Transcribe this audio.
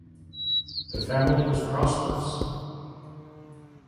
The family was prosperous.